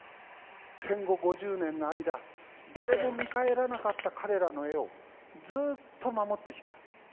戦後５０年の間誰も見返らなかった彼らの絵をずっと守ってきた。